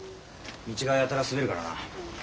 道がやたら滑るからな。